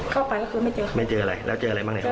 เข้าไปก็คือไม่เจอไม่เจออะไรแล้วเจออะไรบ้างเนี่ย